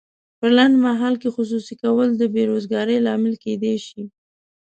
په لنډمهال کې خصوصي کول د بې روزګارۍ لامل کیدای شي.